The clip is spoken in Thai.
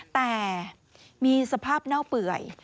แต่มีสภาพเน่าเปื่อย